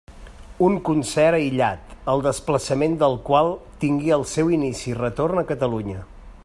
Un concert aïllat, el desplaçament del qual tingui el seu inici i retorn a Catalunya.